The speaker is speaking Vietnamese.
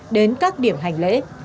đến các điểm hành lễ